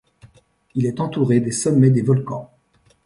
Il est entouré des sommets des volcans.